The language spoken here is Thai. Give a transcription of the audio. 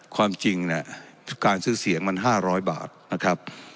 ความจริงเนี่ยการซื้อเสียงมัน๕๐๐บาทนะครับ